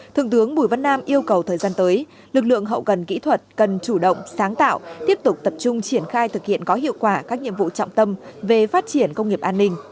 thượng tướng bùi văn nam yêu cầu thời gian tới lực lượng hậu cần kỹ thuật cần chủ động sáng tạo tiếp tục tập trung triển khai thực hiện có hiệu quả các nhiệm vụ trọng tâm về phát triển công nghiệp an ninh